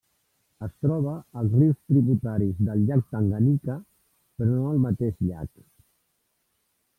Es troba als rius tributaris del llac Tanganyika, però no al mateix llac.